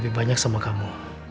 lebih banyak sama kamu